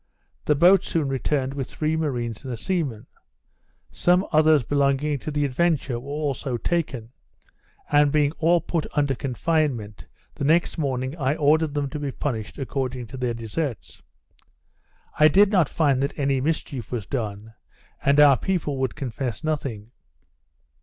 The boat soon returned with three marines and a seaman. Some others belonging to the Adventure were also taken; and, being all put under confinement, the next morning I ordered them to be punished according to their deserts. I did not find that any mischief was done, and our people would confess nothing.